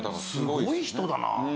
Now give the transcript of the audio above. すごい人だな。